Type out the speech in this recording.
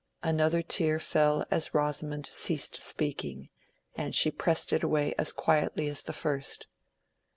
Another tear fell as Rosamond ceased speaking, and she pressed it away as quietly as the first.